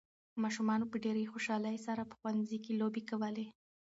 ماشومانو په ډېرې خوشالۍ سره په ښوونځي کې لوبې کولې.